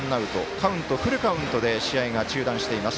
カウント、フルカウントで試合が中断しています。